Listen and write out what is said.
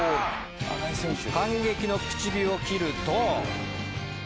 反撃の口火を切ると。